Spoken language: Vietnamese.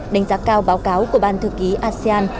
đánh giá cao báo cáo của ban thư ký asean